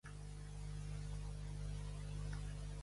Cuando el entonces intendente de Berazategui su padre, el Dr.